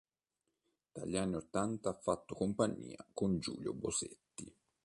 Dagli anni ottanta ha fatto compagnia con Giulio Bosetti.